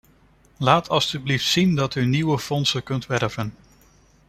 Laat alstublieft zien dat u nieuwe fondsen kunt werven.